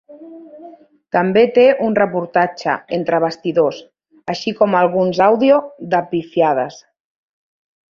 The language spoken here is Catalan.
També té un reportatge "entre bastidors", així com alguns àudio de pifiades.